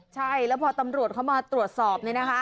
ใช่แล้วพอตำรวจเขามาตรวจสอบ